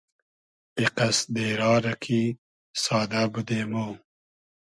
ای قئس دېرا رۂ کی سادۂ بودې مۉ